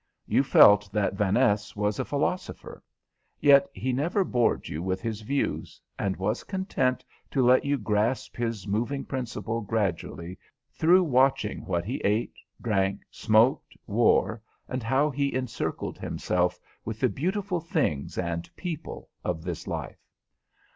You felt that Vaness was a philosopher, yet he never bored you with his views, and was content to let you grasp his moving principle gradually through watching what he ate, drank, smoked, wore, and how he encircled himself with the beautiful things and people of this life.